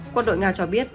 quân đội nga cho biết